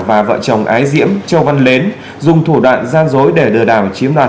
và vợ chồng ái diễm châu văn mến dùng thủ đoạn gian dối để lừa đảo chiếm đoạt